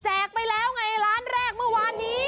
ไปแล้วไงล้านแรกเมื่อวานนี้